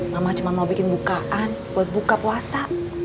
mama cuma mau bikin bukaan buat buka puasa